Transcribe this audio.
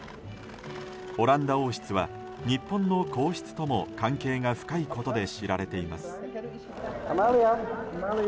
オランダ王室は、日本の皇室とも関係が深いことで知られています。